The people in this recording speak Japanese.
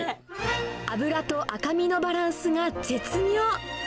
脂と赤身のバランスが絶妙。